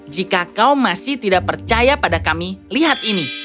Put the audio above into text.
jika kau masih tidak percaya pada kami lihat ini